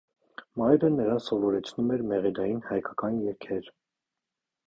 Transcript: Մայրը նրան սովորեցնում էր մեղեդային հայկական երգեր։